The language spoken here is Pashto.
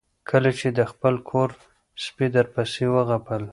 کله چې د خپل کور سپي درپسې وغپل